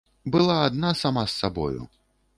Была адна сама з сабою.